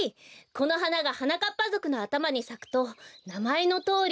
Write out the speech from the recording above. このはながはなかっぱぞくのあたまにさくとなまえのとおり。